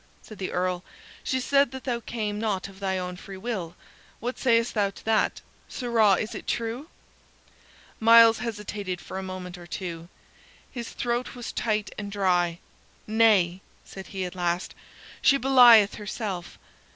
said the Earl. "She said that thou came not of thy own free will; what sayst thou to that, sirrah is it true?" Myles hesitated for a moment or two; his throat was tight and dry. "Nay," said he at last, "she belieth herself.